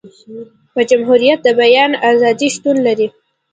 په جمهوريت د بیان ازادي شتون لري.